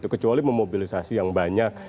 kecuali memobilisasi yang banyak